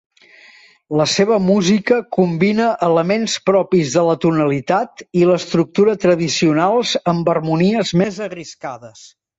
La seva música combina elements propis de la tonalitat i l'estructura tradicionals amb harmonies més arriscades.